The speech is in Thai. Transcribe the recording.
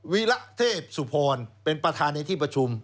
วิระเทพสุพรเป็นประธานในที่ประชุม